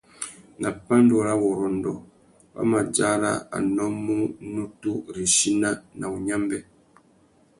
Nà pandúrâwurrôndô, wa mà dzara a nnômú nutu râ ichina na wunyámbê.